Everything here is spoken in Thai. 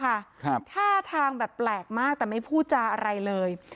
ครับท่าทางแบบแปลกมากแต่ไม่พูดจาอะไรเลย